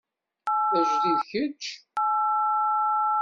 D ajdid kečč?